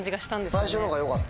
最初のほうがよかった？